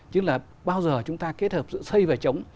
chứ là bao giờ chúng ta kết hợp giữa xây và chống